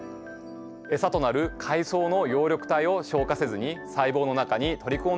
エサとなる海藻の葉緑体を消化せずに細胞の中に取り込んでしまうんです。